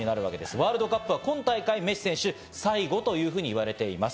ワールドカップは今大会、メッシ選手は最後と言われています。